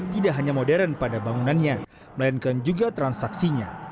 tidak hanya modern pada bangunannya melainkan juga transaksinya